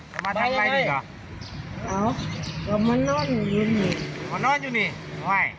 จะมาทั้งไหนดีกว่าเอามันนอนอยู่นี่มันนอนอยู่นี่เอาไง